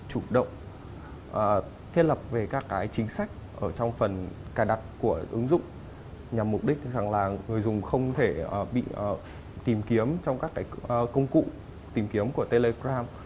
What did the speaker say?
chủ động thiết lập về các cái chính sách trong phần cài đặt của ứng dụng nhằm mục đích rằng là người dùng không thể bị tìm kiếm trong các cái công cụ tìm kiếm của telegram